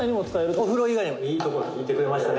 「お風呂以外にもいいところ聞いてくれましたね」